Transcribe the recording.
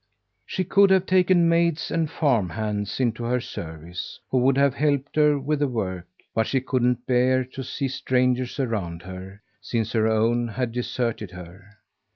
She could have taken maids and farm hands into her service, who would have helped her with the work, but she couldn't bear to see strangers around her, since her own had deserted her.